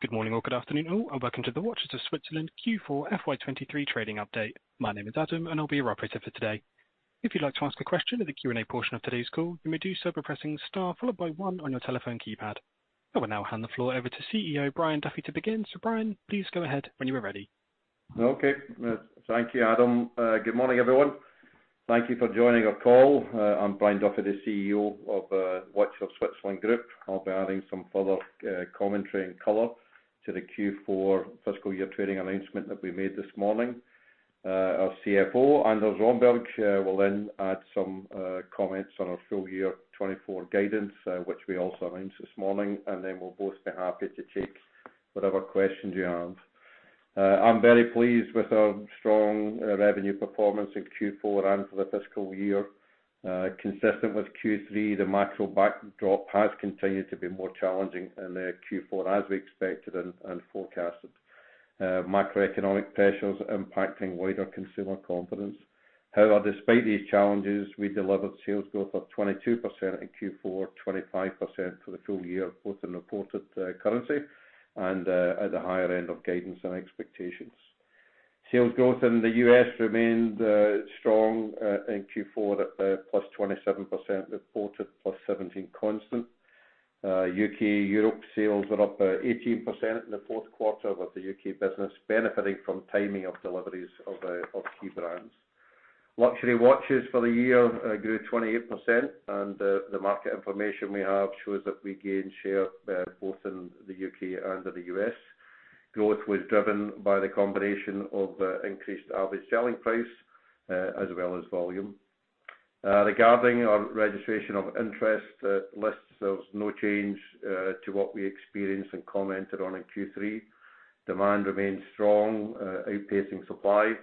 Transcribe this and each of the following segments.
Good morning or good afternoon all. Welcome to the Watches of Switzerland Q4 FY23 trading update. My name is Adam. I'll be your operator for today. If you'd like to ask a question in the Q&A portion of today's call, you may do so by pressing star followed by 1 on your telephone keypad. I will now hand the floor over to CEO, Brian Duffy, to begin. Brian Duffy, please go ahead when you are ready. Thank you, Adam. Good morning, everyone. Thank you for joining our call. I'm Brian Duffy, the CEO of Watches of Switzerland Group. I'll be adding some further commentary and color to the Q4 fiscal year trading announcement that we made this morning. Our CFO, Anders Romberg, will then add some comments on our full year 2024 guidance, which we also announced this morning, and then we'll both be happy to take whatever questions you have. I'm very pleased with our strong revenue performance in Q4 and for the fiscal year. Consistent with Q3, the macro backdrop has continued to be more challenging in Q4 as we expected and forecasted. Macroeconomic pressures impacting wider consumer confidence. Despite these challenges, we delivered sales growth of 22% in Q4, 25% for the full year, both in reported currency and at the higher end of guidance and expectations. Sales growth in the US remained strong in Q4 at +27% reported, +17 constant. UK, Europe sales were up 18% in the fourth quarter, with the UK business benefiting from timing of deliveries of key brands. Luxury watches for the year grew 28%, and the market information we have shows that we gained share both in the UK and in the US. Growth was driven by the combination of increased average selling price as well as volume. Regarding our registration of interest lists, there was no change to what we experienced and commented on in Q3. Demand remains strong, outpacing supply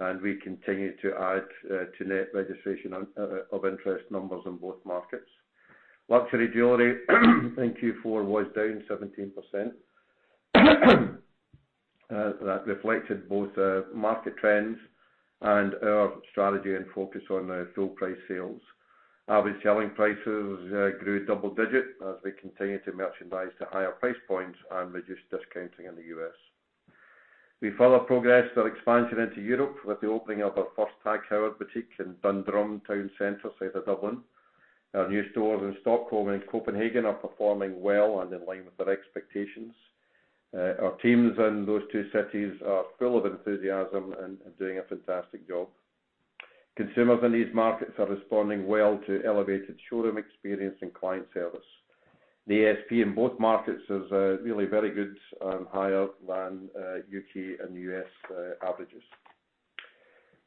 and we continue to add to net registration of interest numbers in both markets. Luxury jewelry in Q4 was down 17%. That reflected both market trends and our strategy and focus on full price sales. Average selling prices grew double digit as we continue to merchandise to higher price points and reduce discounting in the US. We further progressed our expansion into Europe with the opening of our first TAG Heuer boutique in Dundrum Town Centre, Dublin. Our new stores in Stockholm and Copenhagen are performing well and in line with our expectations. Our teams in those two cities are full of enthusiasm and doing a fantastic job. Consumers in these markets are responding well to elevated showroom experience and client service. The ASP in both markets is really very good and higher than UK and US averages.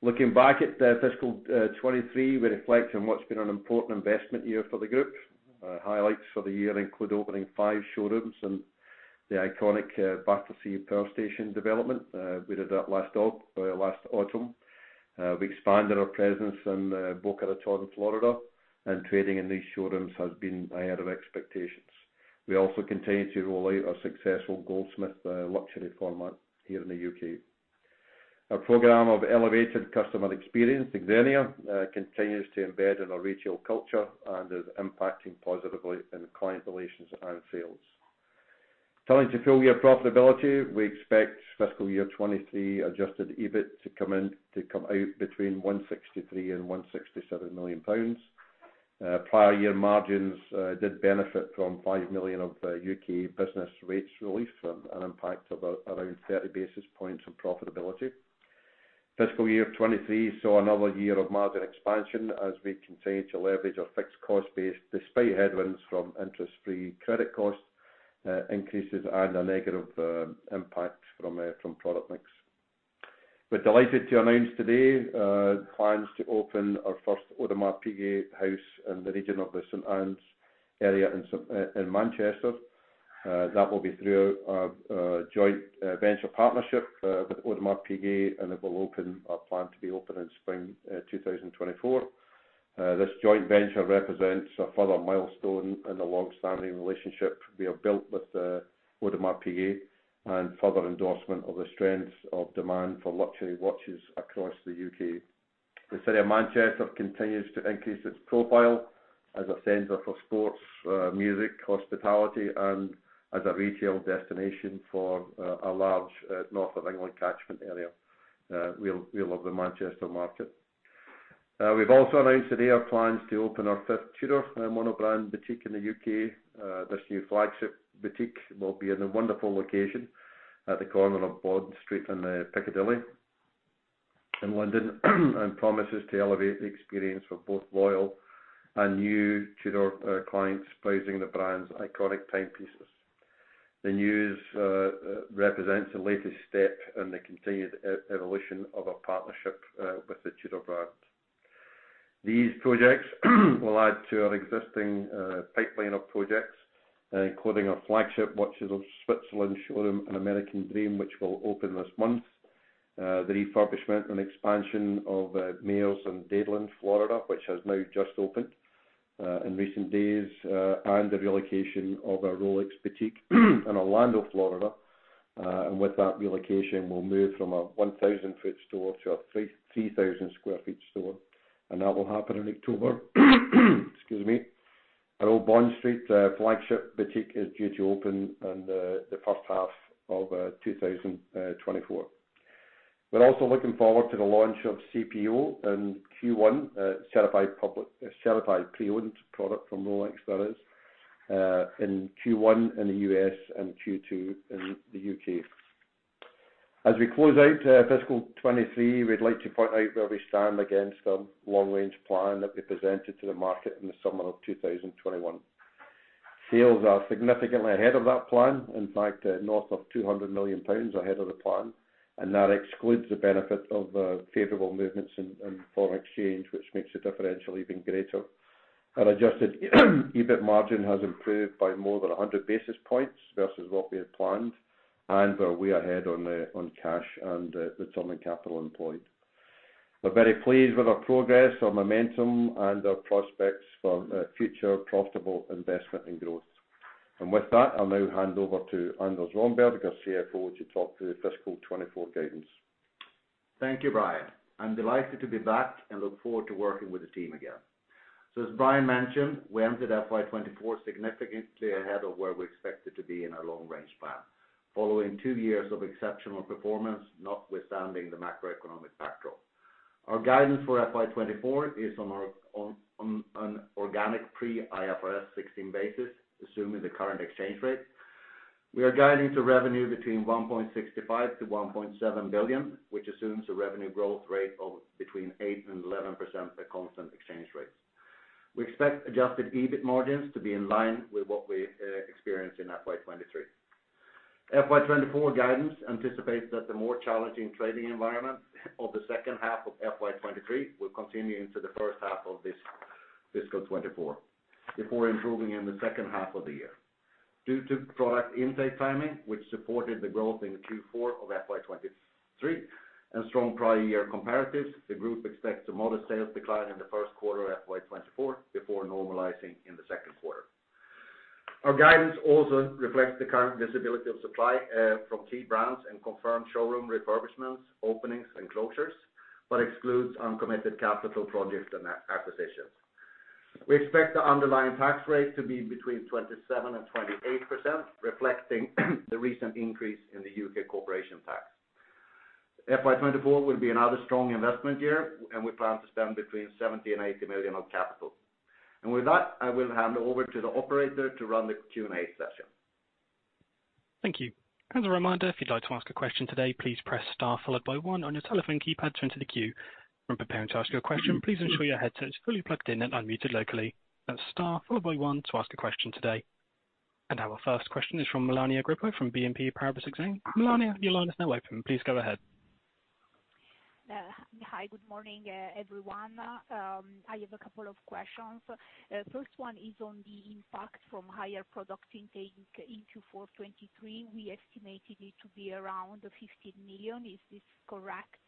Looking back at the fiscal 2023, we reflect on what's been an important investment year for the group. Highlights for the year include opening five showrooms and the iconic Battersea Power Station development. We did that last autumn. We expanded our presence in Boca Raton, Florida, and trading in these showrooms has been higher than expectations. We also continue to roll out our successful Goldsmiths luxury format here in the UK. Our program of elevated customer experience, Xenia, continues to embed in our retail culture and is impacting positively in client relations and sales. Turning to full year profitability, we expect fiscal year 2023 adjusted EBIT to come out between 163 million and 167 million pounds. Prior year margins did benefit from 5 million of UK business rates relief, an impact of around 30 basis points on profitability. Fiscal year 2023 saw another year of margin expansion as we continue to leverage our fixed cost base despite headwinds from interest-free credit costs, increases and a negative impact from product mix. We're delighted to announce today plans to open our first Audemars Piguet house in the region of the St. Anne's area in Manchester. That will be through our joint venture partnership with Audemars Piguet, and it will open or planned to be open in spring 2024. This joint venture represents a further milestone in the long-standing relationship we have built with Audemars Piguet and further endorsement of the strength of demand for luxury watches across the UK. The city of Manchester continues to increase its profile as a center for sports, music, hospitality, and as a retail destination for a large North of England catchment area. We love the Manchester market. We've also announced today our plans to open our fifth Tudor mono-brand boutique in the UK. This new flagship boutique will be in a wonderful location at the corner of Bond Street and Piccadilly in London and promises to elevate the experience for both loyal and new Tudor clients browsing the brand's iconic timepieces. The news represents the latest step in the continued evolution of our partnership with the Tudor brand. These projects will add to our existing pipeline of projects, including our flagship Watches of Switzerland showroom, an American Dream, which will open this month. The refurbishment and expansion of Mayors in Dadeland, Florida, which has now just opened in recent days, and the relocation of our Rolex boutique in Orlando, Florida. With that relocation, we'll move from a 1,000 sq ft store to a 3,000 sq ft store, and that will happen in October. Excuse me. Our Bond Street flagship boutique is due to open in the first half of 2024. We're also looking forward to the launch of CPO in Q1, Certified Pre-Owned product from Rolex, that is, in Q1 in the US and Q2 in the UK. As we close out, fiscal 2023, we'd like to point out where we stand against the long-range plan that we presented to the market in the summer of 2021. Sales are significantly ahead of that plan, in fact, north of 200 million pounds ahead of the plan, and that excludes the benefit of favorable movements in foreign exchange, which makes the differential even greater. Our adjusted EBIT margin has improved by more than 100 basis points versus what we had planned, and we're way ahead on cash and returning capital employed. We're very pleased with our progress, our momentum, and our prospects for future profitable investment and growth. With that, I'll now hand over to Anders Romberg, our CFO, to talk through the fiscal 2024 guidance. Thank you, Brian Duffy. I'm delighted to be back and look forward to working with the team again. As Brian Duffy mentioned, we entered FY 2024 significantly ahead of where we expected to be in our long-range plan, following two years of exceptional performance, notwithstanding the macroeconomic backdrop. Our guidance for FY 2024 is on an organic pre-IFRS 16 basis, assuming the current exchange rate. We are guiding to revenue between 1.65 billion-1.7 billion, which assumes a revenue growth rate of between 8% and 11% at constant exchange rates. We expect adjusted EBIT margins to be in line with what we experienced in FY 2023. FY 2024 guidance anticipates that the more challenging trading environment of the second half of FY 2023 will continue into the first half of this fiscal 2024 before improving in the second half of the year. Due to product intake timing, which supported the growth in Q4 of FY 2023 and strong prior year comparatives, the group expects a modest sales decline in the first quarter of FY 2024 before normalizing in the second quarter. Our guidance also reflects the current visibility of supply from key brands and confirmed showroom refurbishments, openings and closures, but excludes uncommitted capital projects and acquisitions. We expect the underlying tax rate to be between 27%-28%, reflecting the recent increase in the UK Corporation Tax. FY 2024 will be another strong investment year, and we plan to spend between 70 million-80 million on capital. With that, I will hand over to the operator to run the Q&A session. Thank you. As a reminder, if you'd like to ask a question today, please press star followed by one on your telephone keypad to enter the queue. When preparing to ask your question, please ensure your headset is fully plugged in and unmuted locally. That's star followed by one to ask a question today. Our first question is from Melania Grippo from BNP Paribas Exane. Melania Grippo, your line is now open. Please go ahead. Hi. Good morning, everyone. I have a couple of questions. First one is on the impact from higher product intake in Q4 2023. We estimated it to be around 50 million. Is this correct?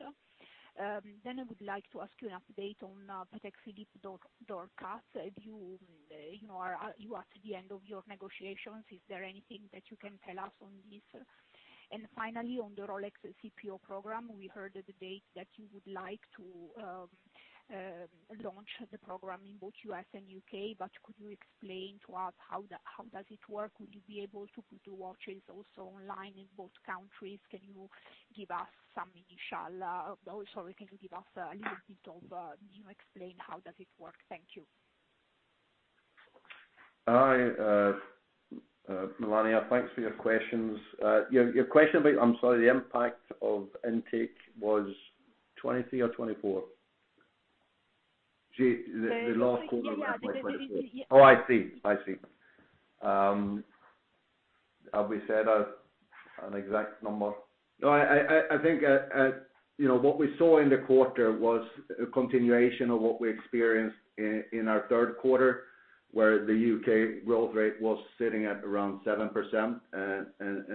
I would like to ask you an update on Patek Philippe door cuts. Are you at the end of your negotiations? Is there anything that you can tell us on this? Finally, on the Rolex CPO program, we heard the date that you would like to launch the program in both US and UK Could you explain to us how does it work? Will you be able to put the watches also online in both countries? Can you give us a little bit of, explain how does it work? Thank you. Hi Melania Grippo, thanks for your questions. Your question about, I'm sorry, the impact of intake was 2023 or 2024? The last quarter was FY 2023. I see. Have we said an exact number? I think, what we saw in the quarter was a continuation of what we experienced in our third quarter, where the UK growth rate was sitting at around 7%.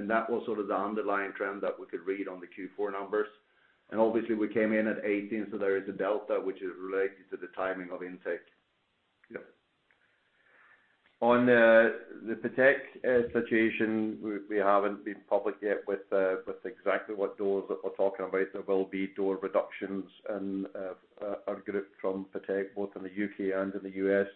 That was the underlying trend that we could read on the Q4 numbers. Obviously we came in at 18, so there is a delta which is related to the timing of intake. On the Patek situation, we haven't been public yet with exactly what doors that we're talking about. There will be door reductions in our group from Patek, both in the UK and in the US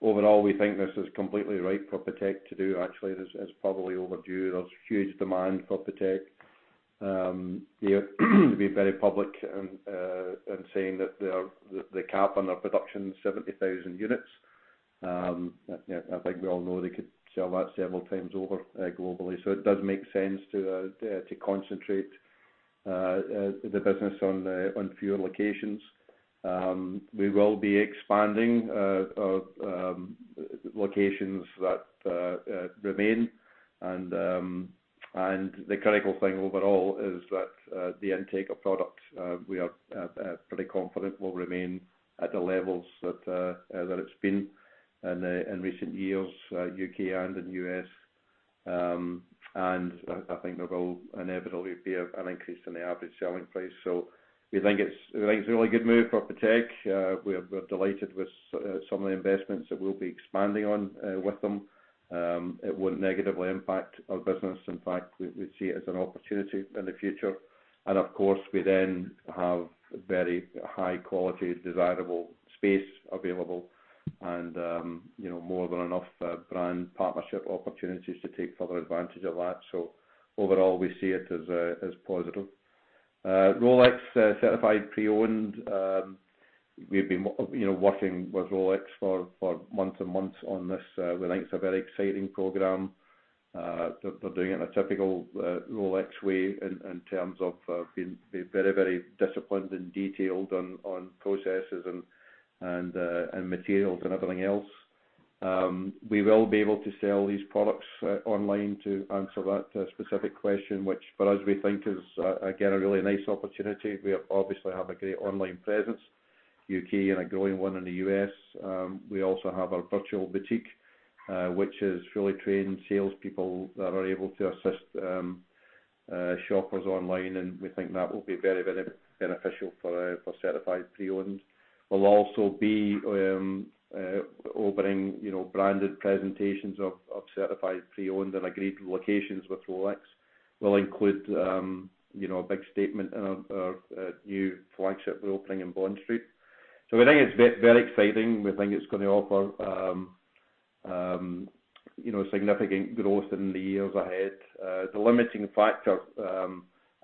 Overall, we think this is completely right for Patek to do. Actually, it's probably overdue. There's huge demand for Patek. They have been very public in saying that their cap on their production is 70,000 units. I think we all know they could sell that several times over globally. It does make sense to concentrate the business on fewer locations. We will be expanding locations that remain. The critical thing overall is that the intake of product we are pretty confident will remain at the levels that it's been in recent years, UK and in US I think there will inevitably be an increase in the average selling price. We think it's a really good move for Patek. We're delighted with some of the investments that we'll be expanding on with them. It won't negatively impact our business. In fact, we see it as an opportunity in the future. Of course, we then have very high quality, desirable space available and more than enough brand partnership opportunities to take further advantage of that. Overall, we see it as positive. Rolex Certified Pre-Owned, we've been working with Rolex for months and months on this. We think it's a very exciting program. They're doing it in a typical Rolex way in terms of being very disciplined and detailed on processes and materials and everything else. We will be able to sell these products online to answer that specific question, which for us, we think is again, a really nice opportunity. We obviously have a great online presence, UK, and a growing one in the US We also have our Virtual Boutique, which is fully trained salespeople that are able to assist shoppers online, and we think that will be very, very beneficial for Certified Pre-Owned. We'll also be opening, branded presentations of Certified Pre-Owned and agreed locations with Rolex. We'll include a big statement in our new flagship reopening in Bond Street. We think it's very exciting. We think it's going to offer, significant growth in the years ahead. The limiting factor,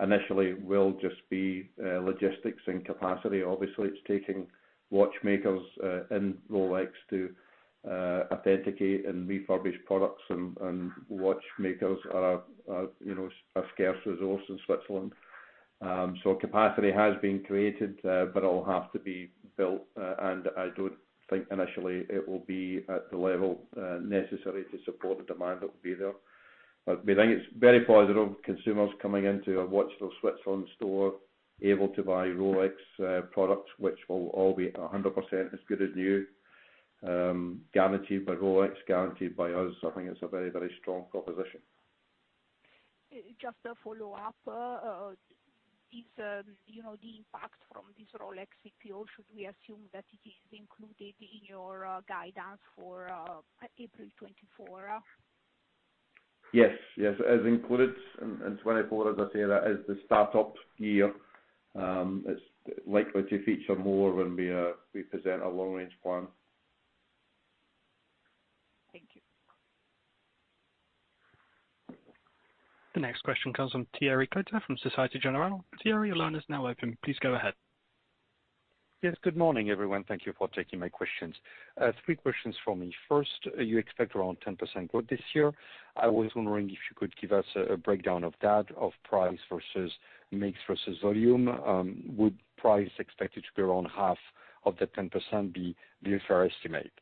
initially will just be logistics and capacity. Obviously, it's taking watchmakers and Rolex to authenticate and refurbish products, and watchmakers are a scarce resource in Switzerland. Capacity has been created, but it'll have to be built, and I don't think initially it will be at the level necessary to support the demand that will be there. We think it's very positive, consumers coming into a Watches of Switzerland store, able to buy Rolex products, which will all be 100% as good as new, guaranteed by Rolex, guaranteed by us. I think it's a very, very strong proposition. Just a follow-up. Is the impact from this Rolex CPO, should we assume that it is included in your guidance for April 2024? Yes, it is included in 2024. As I say, that is the start-up year. It's likely to feature more when we present our long range plan. Thank you. The next question comes from Thierry Coquillat from Societe Generale. Thierry, your line is now open. Please go ahead. Yes, good morning, everyone. Thank you for taking my questions. Three questions for me. First, you expect around 10% growth this year. I was wondering if you could give us a breakdown of that, of price versus mix versus volume. Would price expected to be around half of the 10% be a fair estimate?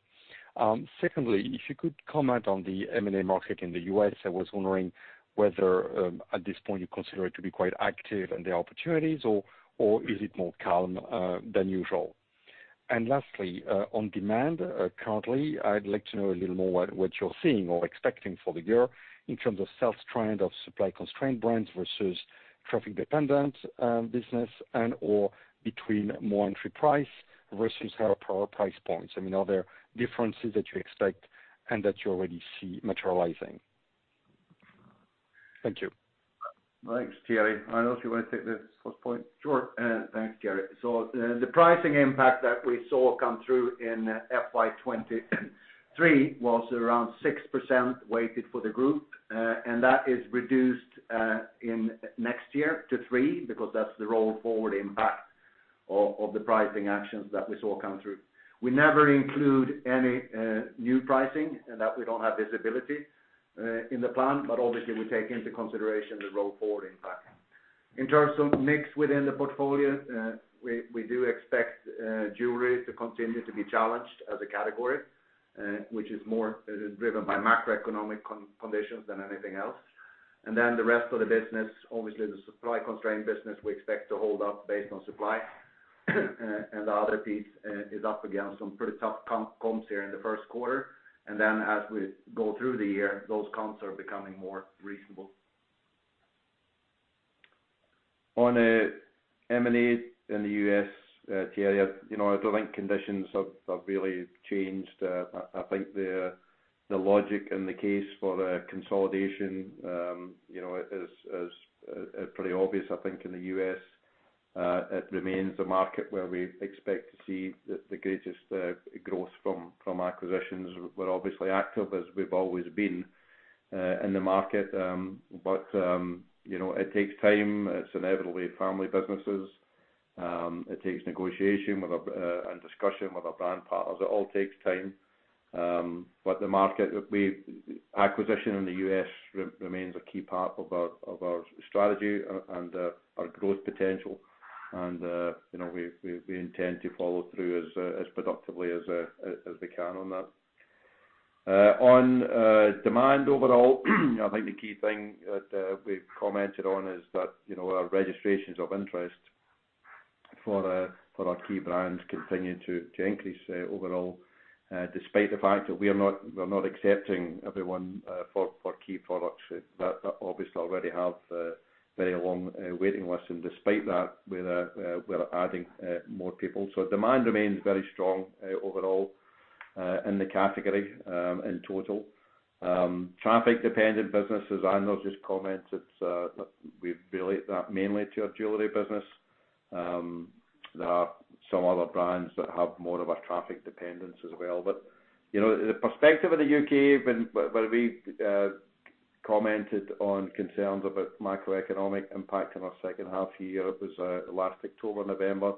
Secondly, if you could comment on the M&A market in the US. I was wondering whether at this point you consider it to be quite active and the opportunities, or is it more calm than usual? Lastly, on demand currently, I'd like to know a little more what you're seeing or expecting for the year in terms of sales trend of supply constrained brands versus traffic dependent business and/or between more entry price versus higher price points. I mean, are there differences that you expect and that you already see materializing? Thank you. Thanks, Thierry Coquillat. Anders Romberg, do you want to take this first point? Sure. Thanks, Thierry Coquillat. The, the pricing impact that we saw come through in FY 2023 was around 6% weighted for the group. That is reduced in next year to 3% because that's the roll forward impact of the pricing actions that we saw come through. We never include any new pricing in that we don't have visibility in the plan, but obviously, we take into consideration the roll forward impact. In terms of mix within the portfolio, we do expect jewelry to continue to be challenged as a category, which is more driven by macroeconomic conditions than anything else. Then the rest of the business, obviously, the supply constrained business we expect to hold up based on supply. The other piece is up against some pretty tough comms here in the first quarter. As we go through the year, those comms are becoming more reasonable. On M&A in the US, Thierry Coquillat, I don't think conditions have really changed. I think the logic and the case for the consolidation is pretty obvious. I think in the US, it remains a market where we expect to see the greatest growth from acquisitions. We're obviously active as we've always been in the market. It takes time. It's inevitably family businesses. It takes negotiation with our and discussion with our brand partners. It all takes time. The market that acquisition in the US remains a key part of our strategy and our growth potential. We intend to follow through as productively as we can on that. On demand overall, I think the key thing that we've commented on is that, our registrations of interest for our key brands continue to increase overall, despite the fact that we are not, we're not accepting everyone for key products that obviously already have very long waiting lists. And despite that, we're adding more people. So demand remains very strong overall in the category in total. Traffic-dependent businesses, Anders Romberg just commented that we relate that mainly to our jewelry business. There are some other brands that have more of a traffic dependence as well. But, the perspective of the UK, where we commented on concerns about macroeconomic impact in our second half year, it was last October, November.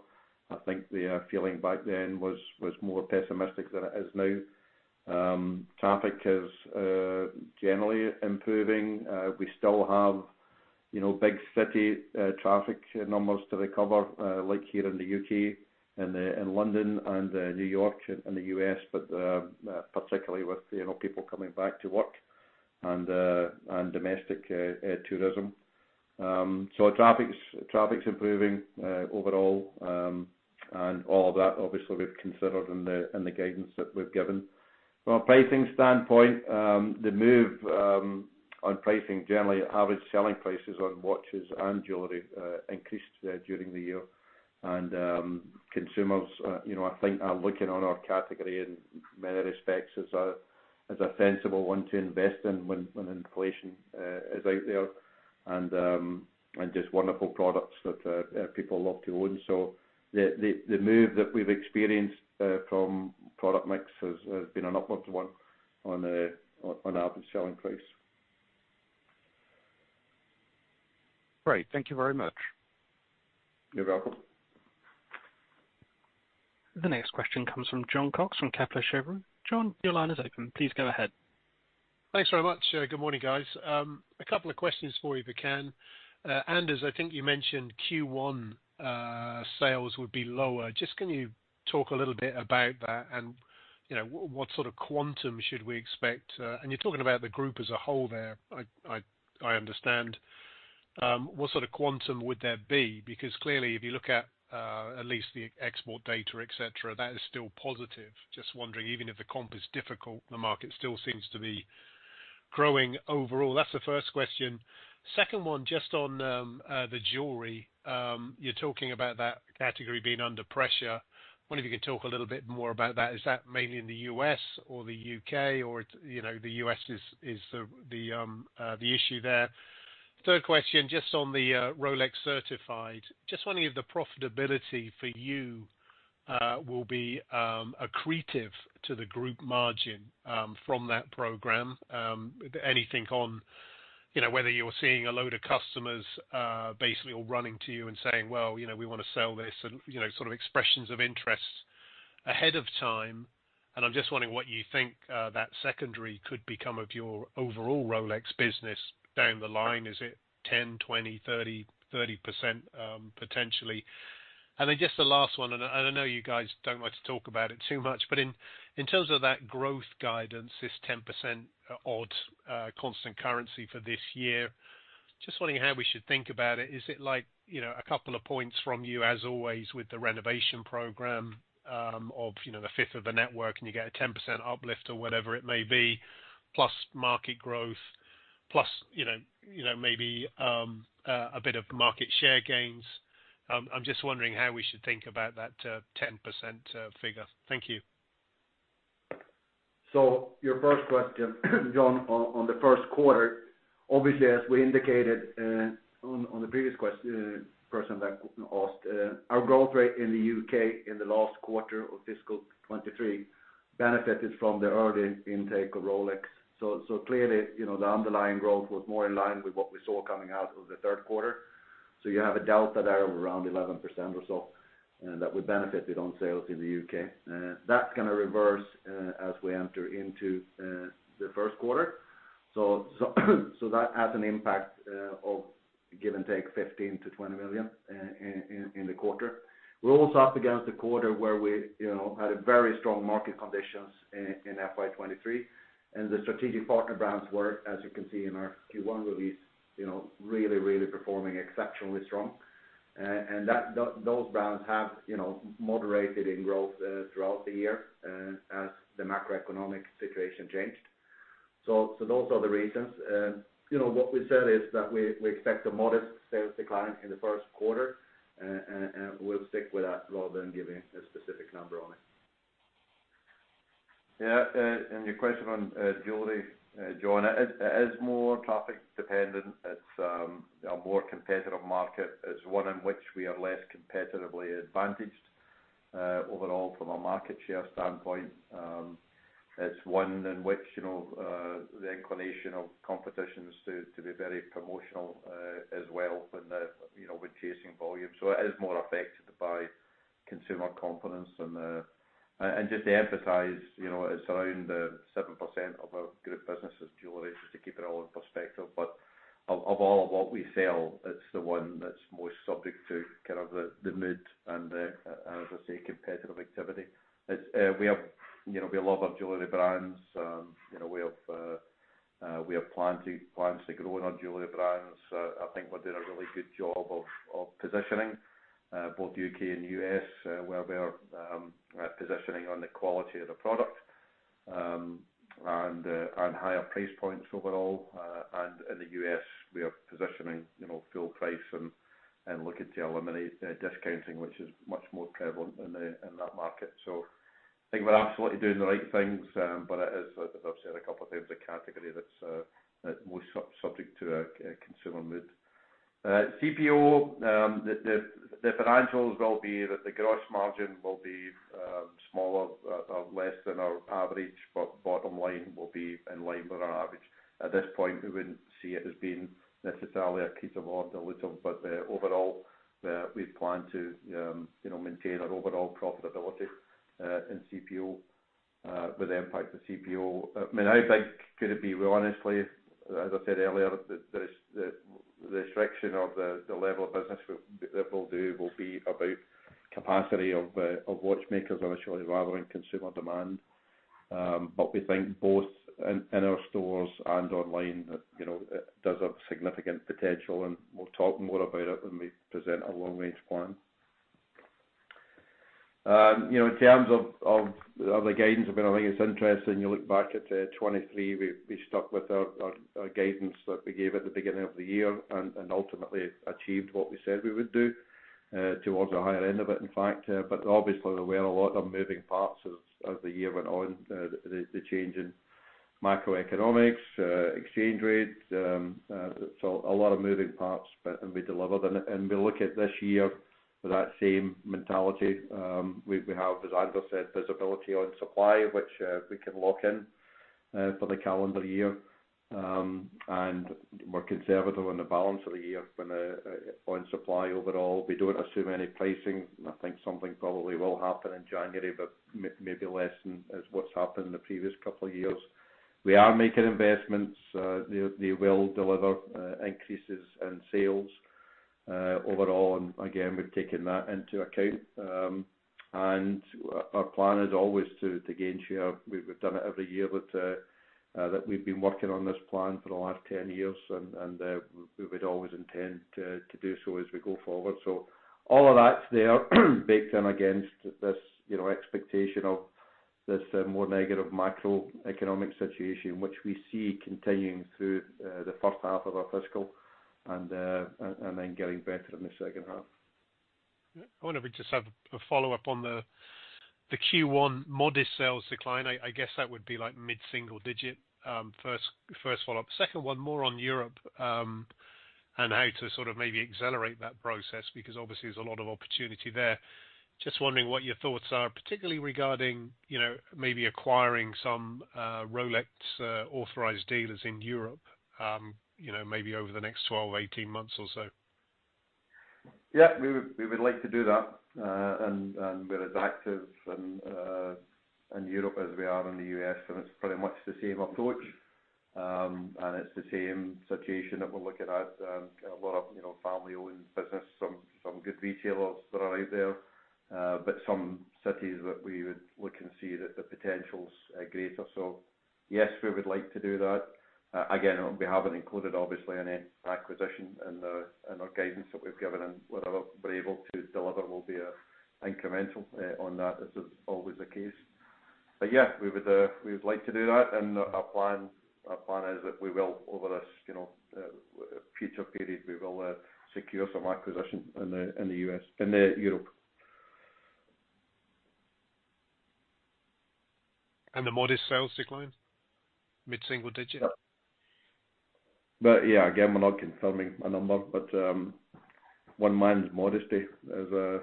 I think the feeling back then was more pessimistic than it is now. Traffic is generally improving. We still have, big city traffic numbers to recover, like here in the UK and in London and New York and the US, but particularly with people coming back to work and domestic air tourism. Traffic's improving overall, and all that obviously we've considered in the guidance that we've given. From a pricing standpoint, the move on pricing, generally average selling prices on watches and jewelry, increased during the year. Consumers I think are looking on our category in many respects as a sensible one to invest in when inflation is out there and just wonderful products that people love to own. The move that we've experienced from product mix has been an upward one on average selling price. Great. Thank you very much. You're welcome. The next question comes from Jon Cox from Kepler Cheuvreux. Jon Cox, your line is open. Please go ahead. Thanks very much. Good morning, guys. A couple of questions for you, if I can. Anders Romberg, I think you mentioned Q1 sales would be lower. Just can you talk a little bit about that and what quantum should we expect? You're talking about the group as a whole there, I understand. What sort of quantum would there be? Because clearly, if you look at at least the export data, et cetera, that is still positive. Just wondering, even if the comp is difficult, the market still seems to be growing overall. That's the first question. Second one, just on the jewelry. You're talking about that category being under pressure. Wonder if you could talk a little bit more about that. Is that mainly in the US. or the UK, or it's the US is the issue there? Third question, just on the Rolex certified, just wondering if the profitability for you will be accretive to the group margin from that program. Anything on whether you're seeing a load of customers basically all running to you and saying, "Well we want to sell this," and expressions of interest ahead of time. I'm just wondering what you think that secondary could become of your overall Rolex business down the line. Is it 10%, 20%, 30%, potentially? Just the last one, I know you guys don't like to talk about it too much, but in terms of that growth guidance, this 10% odd constant currency for this year, just wondering how we should think about it. Is it like a couple of points from you, as always, with the renovation program, of the fifth of the network, and you get a 10% uplift or whatever it may be, plus market growth, plus maybe a bit of market share gains? I'm just wondering how we should think about that 10% figure. Thank you. Your first question, Jon Cox, on the first quarter, obviously, as we indicated, on the previous person that asked, our growth rate in the UK in the last quarter of fiscal 2023 benefited from the early intake of Rolex. Clearly, the underlying growth was more in line with what we saw coming out of the third quarter. You have a delta there of around 11% or so that we benefited on sales in the UK that's going to reverse as we enter into the first quarter. That has an impact of give and take 15 million-20 million in the quarter. We're also up against a quarter where we had a very strong market conditions in FY 2023, and the strategic partner brands were, as you can see in our Q1 release, really performing exceptionally strong. That, those brands have moderated in growth throughout the year as the macroeconomic situation changed. Those are the reasons. What we said is that we expect a modest sales decline in the first quarter, and we'll stick with that rather than giving a specific number on it. Yeah, and your question on jewelry, Jon Cox, it is more traffic dependent. It's a more competitive market. It's one in which we are less competitively advantaged overall from a market share standpoint. It's one in which the inclination of competition is to be very promotional as well and with chasing volume. It is more affected by consumer confidence. Just to emphasize it's around 7% of our group business is jewelry, just to keep it all in perspective. Of all of what we sell, it's the one that's most subject to the mood and the, as I say, competitive activity. It's, we have we love our jewelry brands. We have plans to grow in our jewelry brands. I think we're doing a really good job of positioning both UK and US, where we are positioning on the quality of the product and higher price points overall. In the US, we are positioning, full price and looking to eliminate discounting, which is much more prevalent in that market. I think we're absolutely doing the right things, but it is, as I've said a couple of times, a category that's more subject to a consumer mood. CPO, the financials will be that the gross margin will be smaller or less than our average, but bottom line will be in line with our average. At this point, we wouldn't see it as being necessarily a case of or dilutive. Overall, we plan to maintain an overall profitability in CPO with the impact of CPO. I mean, I think could it be honestly, as I said earlier, the restriction of the level of business we'll do will be about capacity of watchmakers initially rather than consumer demand. We think both in our stores and online that it does have significant potential, and we'll talk more about it when we present our long range plan. In terms of the guidance, I think it's interesting. You look back at 23, we stuck with our guidance that we gave at the beginning of the year and ultimately achieved what we said we would do towards the higher end of it, in fact. Obviously, there were a lot of moving parts as the year went on. The change in macroeconomics, exchange rates, so a lot of moving parts, and we delivered. We look at this year with that same mentality. We have, as Anders Romberg said, visibility on supply, which we can lock in for the calendar year. We're conservative on the balance of the year on supply overall. We don't assume any pricing. I think something probably will happen in January, but maybe less than as what's happened in the previous couple of years. We are making investments. They will deliver increases in sales overall. Again, we've taken that into account. Our plan is always to gain share. We've done it every year with that we've been working on this plan for the last 10 years. We would always intend to do so as we go forward. All of that's there baked in against this, expectation of this more negative macroeconomic situation, which we see continuing through the first half of our fiscal and then getting better in the second half. Yeah. I wonder if we just have a follow-up on the Q1 modest sales decline. I guess that would be like mid-single digit, first follow-up. Second one, more on Europe, how to maybe accelerate that process because obviously there's a lot of opportunity there. Just wondering what your thoughts are, particularly regarding maybe acquiring some Rolex authorized dealers in Europe maybe over the next 12, 18 months or so. Yeah. We would like to do that. We're as active in Europe as we are in the US, and it's pretty much the same approach. It's the same situation that we're looking at. A lot of family-owned business. Some good retailers that are out there. Some cities that we would look and see that the potential's greater. Yes, we would like to do that. Again, we haven't included obviously any acquisition in the, in our guidance that we've given, and whatever we're able to deliver will be incremental on that as is always the case. We would like to do that. Our plan is that we will over this future period, we will secure some acquisition in the US, in the Europe. The modest sales decline, mid-single digit? Yeah, again, we're not confirming a number. One man's modesty is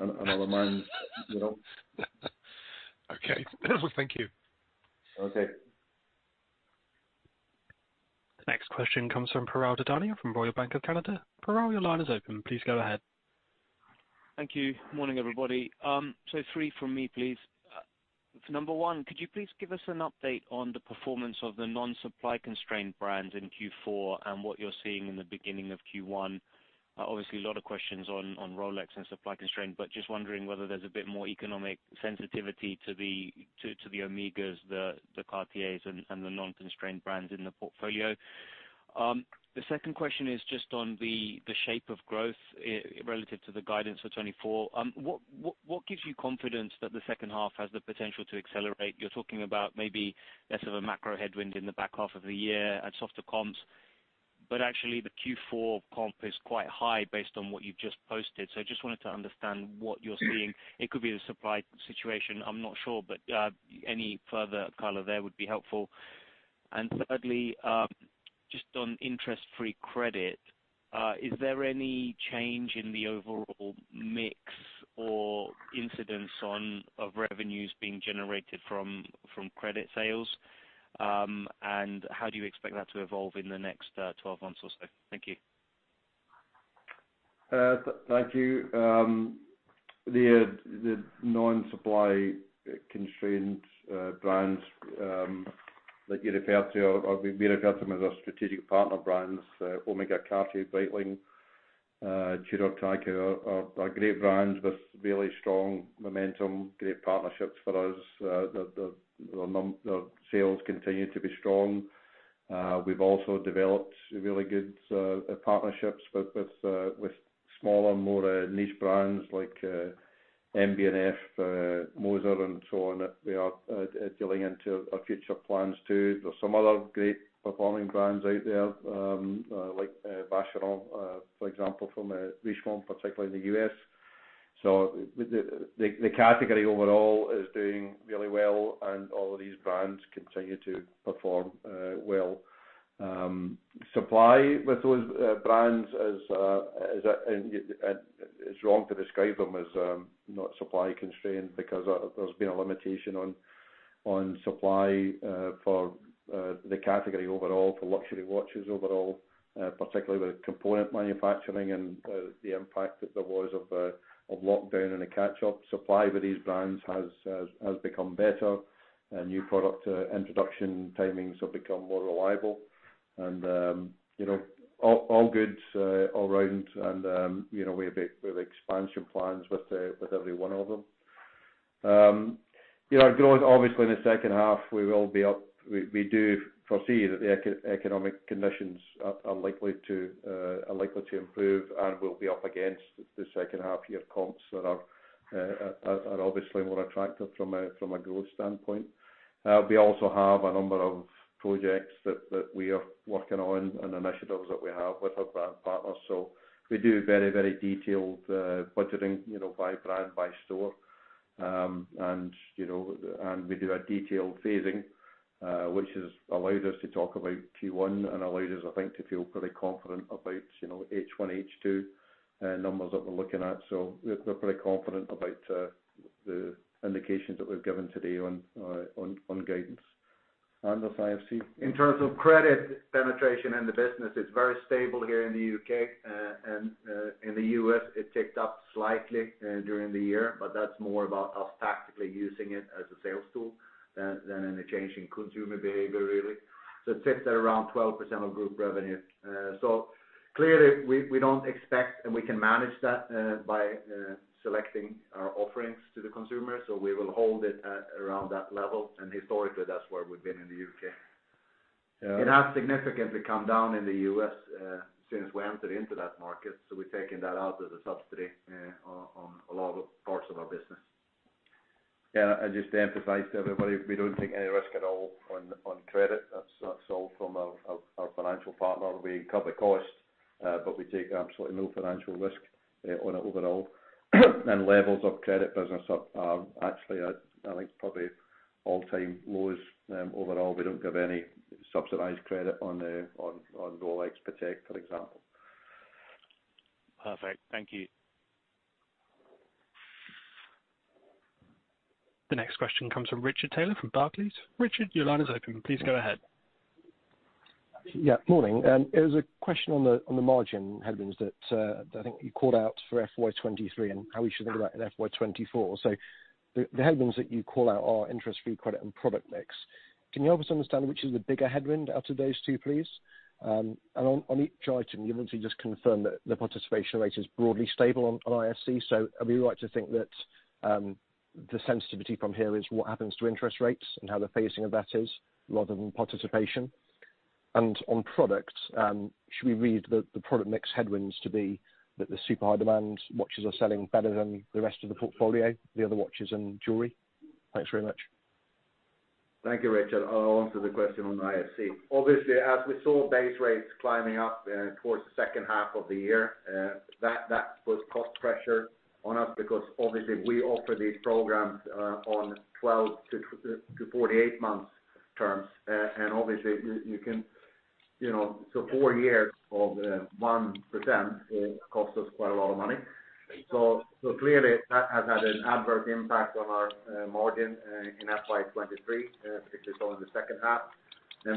another man's. Okay. Thank you. Okay. The next question comes from Piral Dadhania from Royal Bank of Canada. Parag, your line is open. Please go ahead. Thank you. Morning, everybody. 3 from me, please. Number 1, could you please give us an update on the performance of the non-supply constrained brands in Q4 and what you're seeing in the beginning of Q1? Obviously, a lot of questions on Rolex and supply constraint, but just wondering whether there's a bit more economic sensitivity to the Omegas, the Cartiers and the non-constrained brands in the portfolio. The second question is just on the shape of growth relative to the guidance for 2024. What gives you confidence that the second half has the potential to accelerate? You're talking about maybe less of a macro headwind in the back half of the year and softer comps, but actually, the Q4 comp is quite high based on what you've just posted. I just wanted to understand what you're seeing. It could be the supply situation, I'm not sure, but any further color there would be helpful. Thirdly, just on interest-free credit, is there any change in the overall mix or incidence of revenues being generated from credit sales? How do you expect that to evolve in the next 12 months or so? Thank you. Thank you. The non-supply constrained brands that you referred to or we refer to them as our strategic partner brands, Omega, Cartier, Breitling, Tudor, TAG, are great brands with really strong momentum, great partnerships for us. The sales continue to be strong. We've also developed really good partnerships with smaller, more niche brands like MB&F, Moser, and so on, that we are dealing into our future plans too. There's some other great performing brands out there, like Vacheron, for example, from Richemont, particularly in the US. The category overall is doing really well, and all of these brands continue to perform well. Supply with those brands it's wrong to describe them as not supply constrained because there's been a limitation on supply for the category overall, for luxury watches overall, particularly with component manufacturing and the impact that there was of lockdown and a catch-up. Supply with these brands has become better. New product introduction timings have become more reliable. All good all around. We have expansion plans with every one of them. Our growth, obviously in the second half, we will be up. We do foresee that the eco-economic conditions are likely to improve, and we'll be up against the second half year comps that are obviously more attractive from a growth standpoint. We also have a number of projects that we are working on and initiatives that we have with our brand partners. We do very detailed budgeting by brand, by store. We do a detailed phasing, which has allowed us to talk about Q1 and allowed us, I think, to feel pretty confident about, H1, H2 numbers that we're looking at. We're pretty confident about the indications that we've given today on guidance. Anders, IFC. In terms of credit penetration in the business, it's very stable here in the UK. In the US, it ticked up slightly during the year, but that's more about us tactically using it as a sales tool, than any change in consumer behavior really. It sits at around 12% of group revenue. Clearly we don't expect, and we can manage that by selecting our offerings to the consumer. We will hold it at around that level. Historically, that's where we've been in the UK. It has significantly come down in the US, since we entered into that market, so we're taking that out as a subsidy, on a lot of parts of our business. Yeah. Just to emphasize to everybody, we don't take any risk at all on credit. That's all from our financial partner. We cover costs, but we take absolutely no financial risk on it overall. Levels of credit business are actually at, I think, probably all-time lows. Overall, we don't give any subsidized credit on Rolex Patek, for example. Perfect. Thank you. The next question comes from Richard Taylor from Barclays. Richard, your line is open. Please go ahead. Yeah. Morning. It was a question on the, on the margin headwinds that I think you called out for FY 23 and how we should think about it in FY 24. The, the headwinds that you call out are interest-free credit and product mix. Can you help us understand which is the bigger headwind out of those two, please? On, on each item, you obviously just confirmed that the participation rate is broadly stable on IFC, so are we right to think that the sensitivity from here is what happens to interest rates and how the phasing of that is rather than participation? On products, should we read the product mix headwinds to be that the super high demand watches are selling better than the rest of the portfolio, the other watches and jewelry? Thanks very much. Thank you, Richard Taylor. I'll answer the question on IFC. Obviously, as we saw base rates climbing up towards the second half of the year, that put cost pressure on us because obviously we offer these programs on 12 to 48 months terms. Obviously you can. So 4 years of 1% cost us quite a lot of money. Clearly that has had an adverse impact on our margin in FY 2023, particularly so in the second half.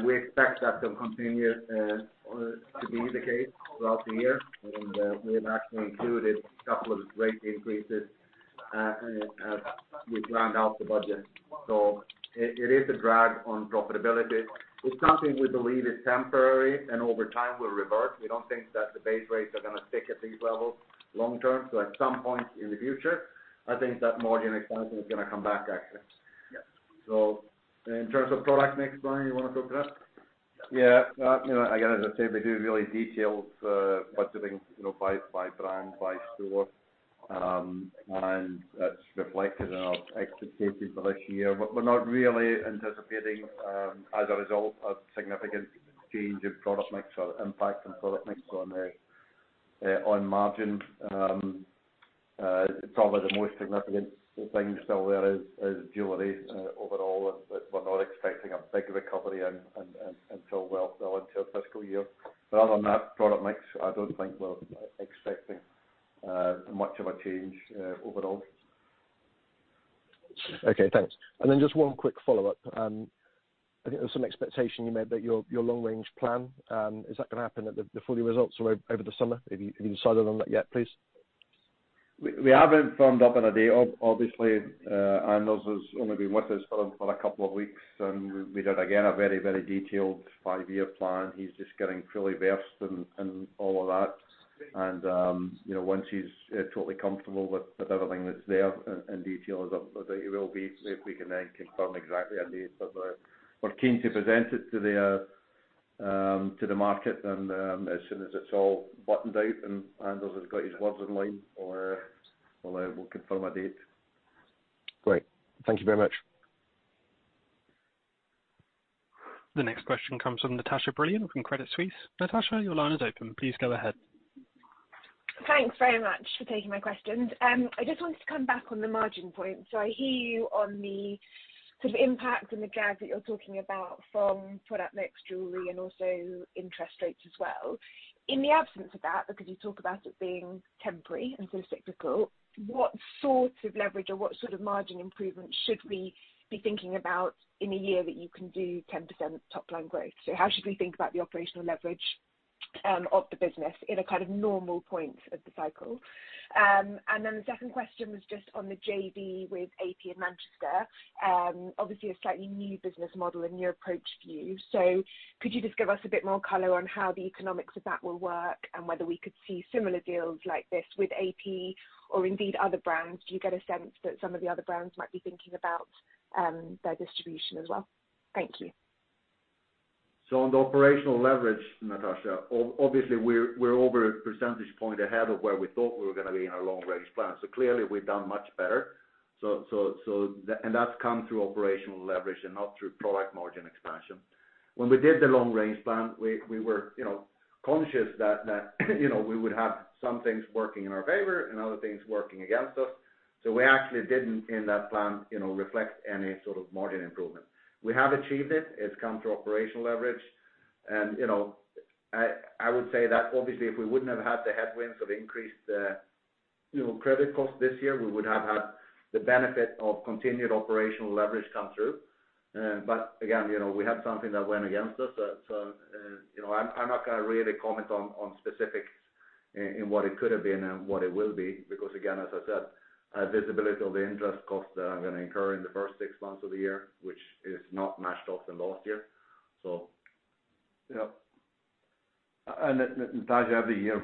We expect that to continue or to be the case throughout the year. We have actually included a couple of rate increases as we planned out the budget. It is a drag on profitability. It's something we believe is temporary and over time will revert. We don't think that the base rates are going to stick at these levels long term. At some point in the future, I think that margin expansion is going to come back actually. In terms of product mix, Brian Duffy, you want to talk to that? Again, as I say, we do really detailed budgeting by brand, by store. That's reflected in our expectations for this year. We're not really anticipating, as a result, a significant change in product mix or impact on product mix on margin. Probably the most significant thing still there is jewelry overall. We're not expecting a big recovery until well into fiscal year. Other than that, product mix, I don't think we're expecting much of a change overall. Okay, thanks. Just one quick follow-up. I think there was some expectation you made that your long range plan, is that going to happen at the full year results or over the summer? Have you decided on that yet, please? We haven't firmed up on a date. Obviously, Anders has only been with us for a couple of weeks, we did again a very, very detailed five-year plan. He's just getting fully versed in all of that. Once he's totally comfortable with everything that's there in detail that he will be, we can then confirm exactly a date. We're keen to present it to the market. As soon as it's all buttoned out and Anders has got his words in line, we'll confirm a date. Great. Thank you very much. The next question comes from Natasha Brilliant from Credit Suisse. Natasha, your line is open. Please go ahead. Thanks very much for taking my questions. I just wanted to come back on the margin point. I hear you on the sort of impact and the gag that you're talking about from product mix jewelry and also interest rates as well. In the absence of that, because you talk about it being temporary and sort of cyclical, what sort of leverage or what sort of margin improvement should we be thinking about in a year that you can do 10% top line growth? How should we think about the operational leverage of the business in a kind of normal point of the cycle? The second question was just on the JV with AP in Manchester. Obviously a slightly new business model and new approach for you. Could you just give us a bit more color on how the economics of that will work and whether we could see similar deals like this with AP or indeed other brands? Do you get a sense that some of the other brands might be thinking about their distribution as well? Thank you. On the operational leverage, Natasha Brilliant, obviously, we're over a percentage point ahead of where we thought we were going to be in our long-range plan. Clearly we've done much better. And that's come through operational leverage and not through product margin expansion. When we did the long-range plan, we were conscious that we would have some things working in our favor and other things working against us. We actually didn't in that plan reflect any sort of margin improvement. We have achieved it. It's come through operational leverage. I would say that obviously if we wouldn't have had the headwinds of increased, credit costs this year, we would have had the benefit of continued operational leverage come through. Again, we had something that went against us. I'm not going to really comment on specifics in what it could have been and what it will be. Because, again, as I said, visibility of the interest costs that are going to incur in the first six months of the year, which is not matched off in last year. Yeah. Natasha Brilliant, every year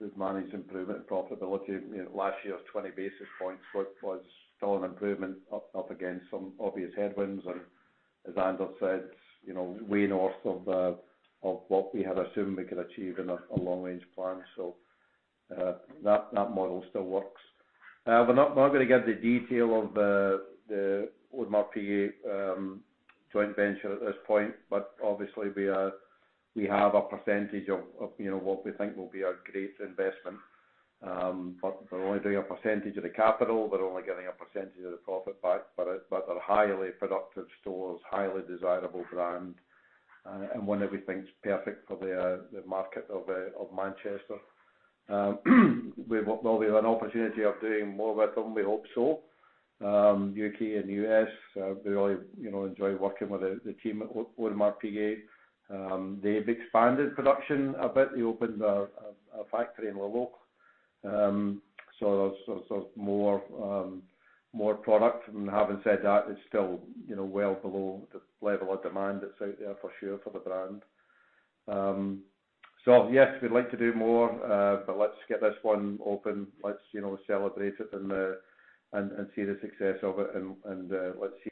we've managed improvement in profitability. Last year's 20 basis points was still an improvement up against some obvious headwinds. As Anders Romberg said way north of what we had assumed we could achieve in a long range plan. That model still works. We're not going to get into detail of the Audemars Piguet joint venture at this point, obviously we have a percentage of what we think will be a great investment. We're only doing a percentage of the capital. We're only getting a percentage of the profit back. They're highly productive stores, highly desirable brand, and one that we think is perfect for the market of Manchester. Well, we have an opportunity of doing more with them, we hope so. UK and US, we really, enjoy working with the team at Audemars Piguet. They've expanded production a bit. They opened a factory in Le Locle. more product. Having said that, it's still well below the level of demand that's out there for sure for the brand. Yes, we'd like to do more, let's get this one open. Let's, celebrate it and see the success of it and let's see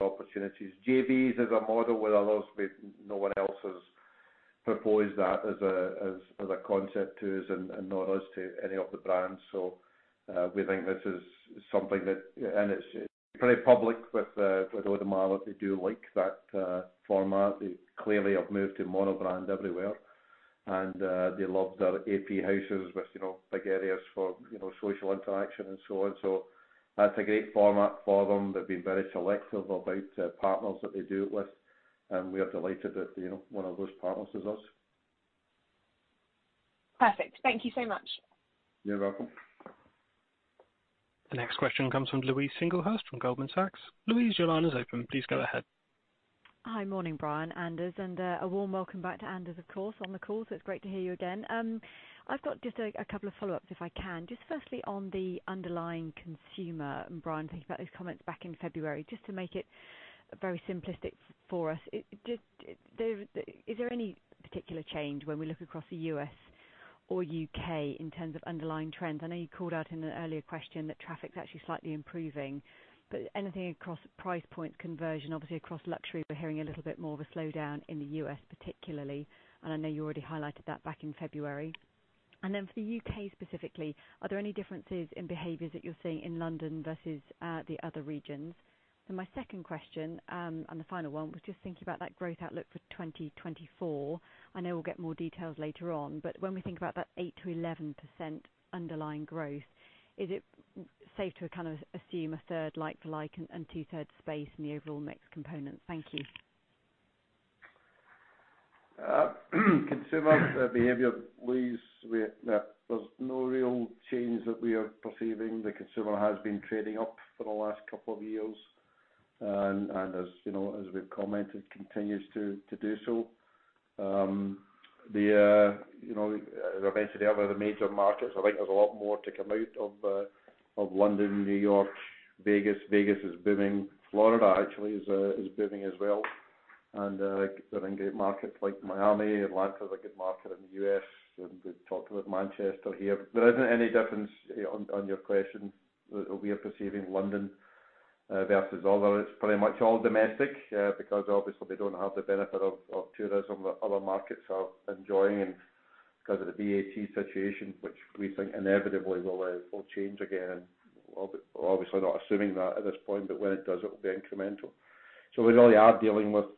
opportunities. JVs as a model with others, no one else has proposed that as a concept to us nor us to any of the brands. We think this is something that. It's pretty public with Audemars that they do like that format. They clearly have moved to monobrand everywhere. They love their AP Houses with big areas for social interaction and so on. That's a great format for them. They've been very selective about partners that they do it with. We are delighted that one of those partners is us. Perfect. Thank you so much. You're welcome. The next question comes from Louise Singlehurst from Goldman Sachs. Louise, your line is open. Please go ahead. Hi. Morning, Brian Duffy, Anders Romberg, a warm welcome back to Anders Romberg, of course, on the call. It's great to hear you again. I've got just a couple of follow-ups, if I can. Just firstly on the underlying consumer. Brian thinking about those comments back in February, just to make it very simplistic for us. Is there any particular change when we look across the US or UK in terms of underlying trends? I know you called out in an earlier question that traffic's actually slightly improving. Anything across price point conversion? Obviously across luxury, we're hearing a little bit more of a slowdown in the US particularly. I know you already highlighted that back in February. For the UK specifically, are there any differences in behaviors that you're seeing in London versus the other regions? My second question, and the final one, was just thinking about that growth outlook for 2024. I know we'll get more details later on, but when we think about that 8%-11% underlying growth, is it safe to kind of assume 1/3 like for like and 2/3 space in the overall mix component? Thank you. Consumer behavior, Louise Singlehurst, there's no real change that we are perceiving. The consumer has been trading up for the last couple of years. As we've commented, continues to do so. The as I mentioned earlier, the major markets, I think there's a lot more to come out of London, New York, Vegas. Vegas is booming. Florida actually is booming as well. They're in great markets like Miami. Atlanta is a good market in the US, and we've talked about Manchester here. There isn't any difference on your question, that we are perceiving London versus other. It's pretty much all domestic, because obviously they don't have the benefit of tourism that other markets are enjoying and 'cause of the VAT situation, which we think inevitably will change again. Obviously not assuming that at this point, but when it does, it will be incremental. We really are dealing with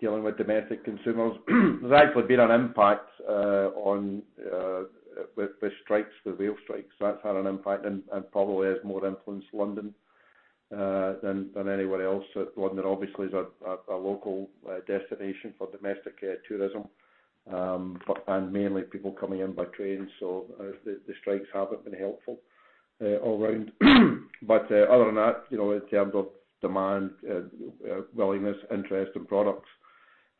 domestic consumers. There's actually been an impact on with strikes, the rail strikes. That's had an impact and probably has more influence to London than anywhere else. London obviously is a local destination for domestic air tourism, and mainly people coming in by train, the strikes haven't been helpful all around. Other than that, in terms of demand, willingness, interest in products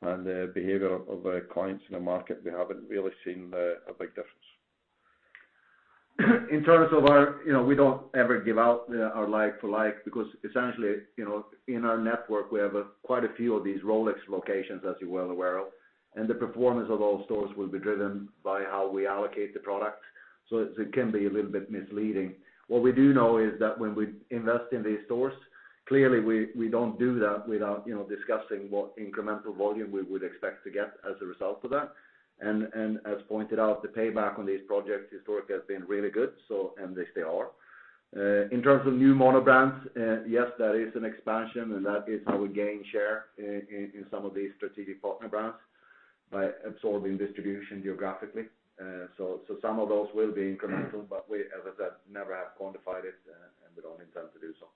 and the behavior of clients in the market, we haven't really seen a big difference. In terms of our we don't ever give out our like for like because essentially, in our network we have quite a few of these Rolex locations, as you're well aware of. The performance of all stores will be driven by how we allocate the product. It can be a little bit misleading. What we do know is that when we invest in these stores, clearly we don't do that without discussing what incremental volume we would expect to get as a result of that. As pointed out, the payback on these projects historically has been really good, so, and they still are. In terms of new mono brands, yes, that is an expansion, and that is how we gain share in some of these strategic partner brands by absorbing distribution geographically. Some of those will be incremental, but we, as I said, never have quantified it, and we don't intend to do so.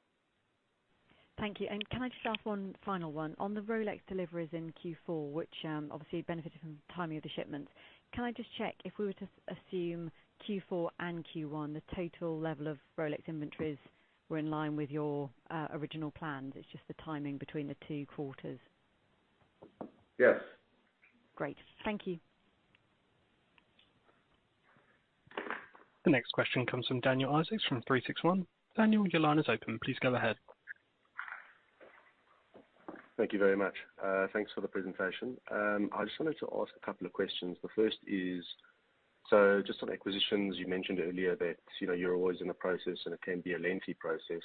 Thank you. Can I just ask 1 final one? On the Rolex deliveries in Q4, which obviously benefited from the timing of the shipments, can I just check if we were to assume Q4 and Q1, the total level of Rolex inventories were in line with your original plans? It's just the timing between the two quarters. Yes. Great. Thank you. The next question comes from Daniel Isaacs from Threadneedle. Daniel, your line is open. Please go ahead. Thank you very much. Thanks for the presentation. I just wanted to ask a couple of questions. The first is, so just on acquisitions, you mentioned earlier that you're always in a process and it can be a lengthy process.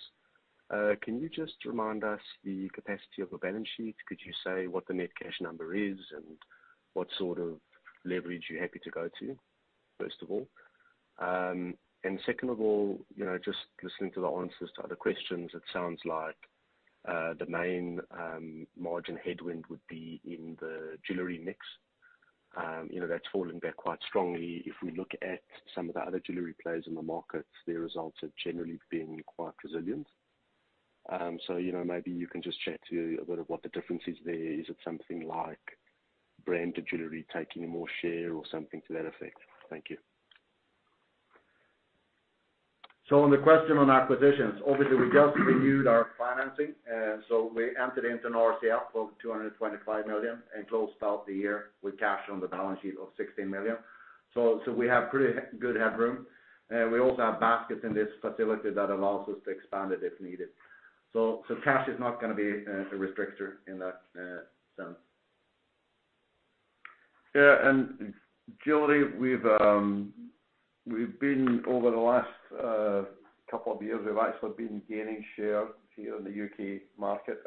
Can you just remind us the capacity of a balance sheet? Could you say what the net cash number is and what sort of leverage you're happy to go to, first of all? Second of all just listening to the answers to other questions, it sounds like, the main margin headwind would be in the jewelry mix. That's fallen back quite strongly. If we look at some of the other jewelry players in the market, their results have generally been quite resilient. Maybe you can just chat to a bit of what the difference is there. Is it something like brand to jewelry taking more share or something to that effect? Thank you. On the question on acquisitions, obviously we just renewed our financing, we entered into an RCF of 225 million and closed out the year with cash on the balance sheet of 16 million. We have pretty good headroom. We also have baskets in this facility that allows us to expand it if needed. Cash is not going to be a restrictor in that sense. Yeah, and jewelry, we've been over the last couple of years, we've actually been gaining share here in the UK market.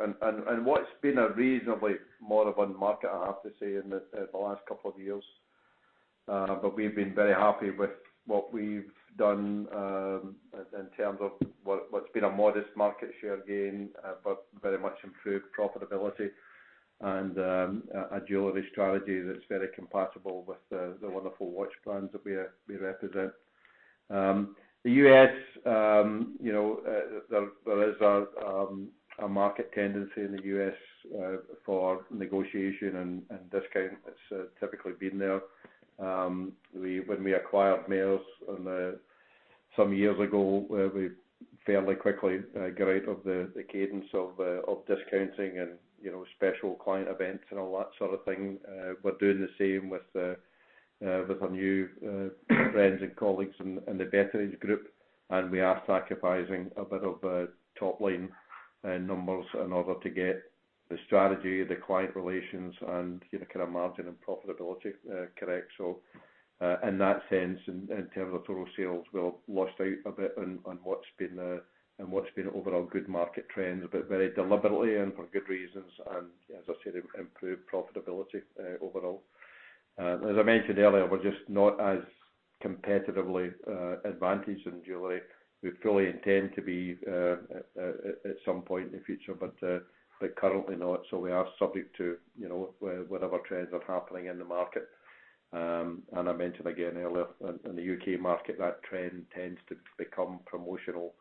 What's been a reasonably moribund market, I have to say, in the last couple of years. We've been very happy with what we've done in terms of what's been a modest market share gain, but very much improved profitability and a jewelry strategy that's very compatible with the wonderful watch plans that we represent. The US there is a market tendency in the US for negotiation and discount that's typically been there. We, when we acquired Mayors on the, some years ago, we fairly quickly got out of the cadence of discounting and special client events and all that sort of thing. We're doing the same with the, with our new friends and colleagues in the Betteridge group, and we are sacrificing a bit of top line numbers in order to get the strategy, the client relations and margin and profitability correct. In that sense, in terms of total sales, we'll lost out a bit on what's been and what's been overall good market trends, but very deliberately and for good reasons and as I said, improved profitability overall. As I mentioned earlier, we're just not as competitively advantaged in jewelry. We fully intend to be at some point in the future, but currently not. We are subject to where whatever trends are happening in the market. I mentioned again earlier, in the UK market, that trend tends to become promotional,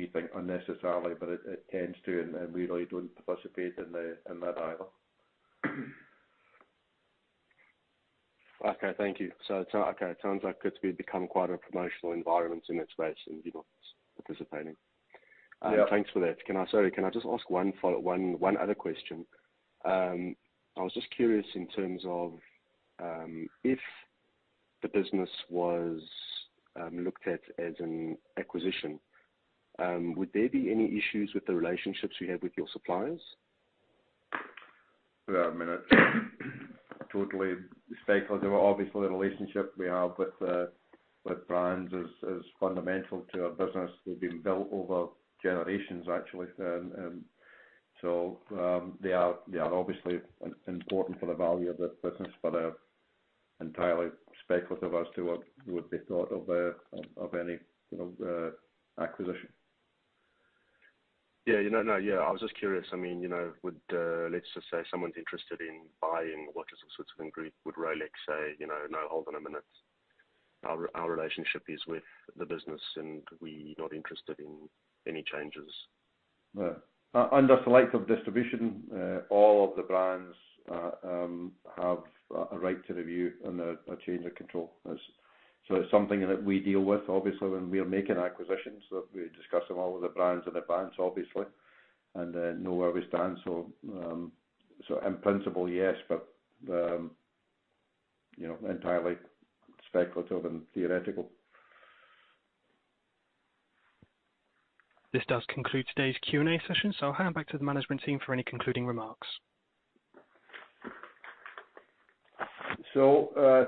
we think unnecessarily, but it tends to, and we really don't participate in that either. Okay, thank you. It sounds like it could be become quite a promotional environment in that space and be more participating. Yeah. Thanks for that. Can I just ask one other question? I was just curious in terms of, if the business was looked at as an acquisition, would there be any issues with the relationships you have with your suppliers? Yeah, I mean, totally speculative. Obviously, the relationship we have with brands is fundamental to our business. They've been built over generations, actually. They are obviously important for the value of the business, but they are entirely speculative as to what would be thought of any acquisition. Yeah. I was just curious. I mean, would, let's just say someone's interested in buying Watches of Switzerland Group, would Rolex say, "No, hold on a minute. Our relationship is with the business, and we're not interested in any changes"? Yeah. Under selective distribution, all of the brands have a right to review on a change of control. It's something that we deal with, obviously, when we are making acquisitions, that we're discussing all of the brands in advance, obviously, and know where we stand. In principle, yes, but entirely speculative and theoretical. This does conclude today's Q&A session, so I'll hand back to the management team for any concluding remarks.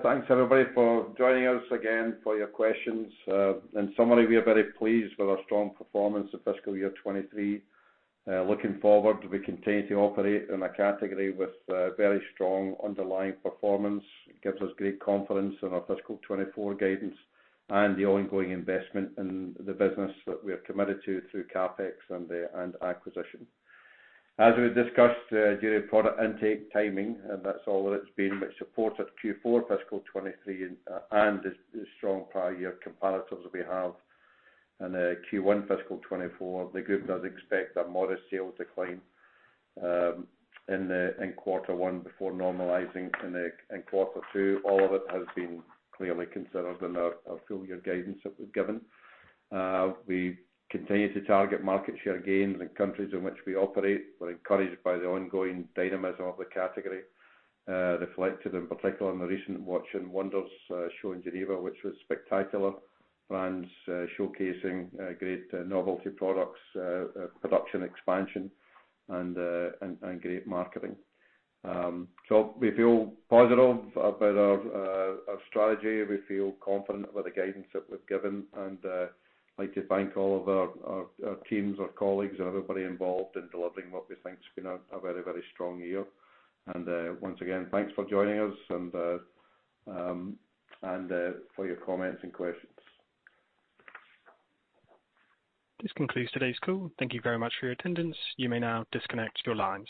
Thanks, everybody for joining us again, for your questions. In summary, we are very pleased with our strong performance of fiscal year 2023. Looking forward, we continue to operate in a category with very strong underlying performance. It gives us great confidence in our fiscal 2024 guidance and the ongoing investment in the business that we are committed to through CapEx and acquisition. As we discussed during product intake timing, and that's all that it's been, which supported Q4 fiscal 2023 and the strong prior year comparatives we have. In Q1 fiscal 2024, the group does expect a modest sales decline in quarter one before normalizing in quarter two. All of it has been clearly considered in our full year guidance that we've given. We continue to target market share gains in countries in which we operate. We're encouraged by the ongoing dynamism of the category, reflected in particular in the recent Watches and Wonders show in Geneva, which was spectacular. Brands showcasing great novelty products, production expansion and great marketing. We feel positive about our strategy. We feel confident about the guidance that we've given. I'd like to thank all of our teams, our colleagues, and everybody involved in delivering what we think has been a very strong year. Once again, thanks for joining us and for your comments and questions. This concludes today's call. Thank you very much for your attendance. You may now disconnect your lines.